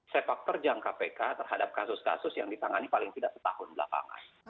sepak terjang kpk terhadap kasus kasus yang ditangani paling tidak setahun belakangan